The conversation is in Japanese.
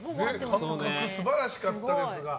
感覚素晴らしかったですが。